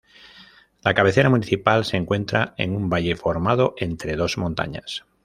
La cabecera municipal se encuentra en un valle formado entre dos montañas.